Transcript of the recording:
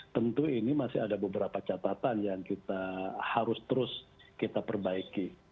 tentu ini masih ada beberapa catatan yang kita harus terus kita perbaiki